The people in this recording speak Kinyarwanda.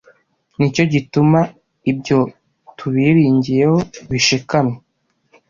Ni cyo gituma ibyo tubiringiyeho bishikamye,